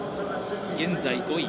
現在５位。